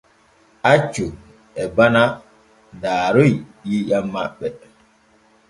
Accu e bana daaroy ƴiiƴam maɓɓe.